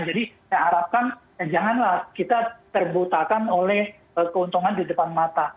jadi saya harapkan janganlah kita terbutakan oleh keuntungan di depan mata